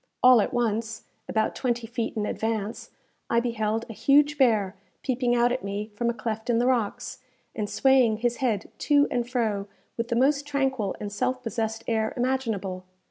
All at once, about twenty feet in advance, I beheld a huge bear peeping out at me from a cleft in the rocks, and swaying his head to and fro with the most tranquil and self possessed air imaginable.